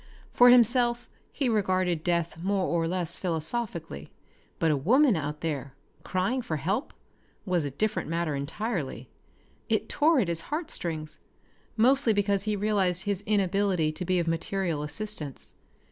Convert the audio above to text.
For himself he regarded death more or less philosophically, but a woman out there, crying for help, was a different matter entirely. It tore at his heartstrings, mostly because he realized his inability to be of material assistance.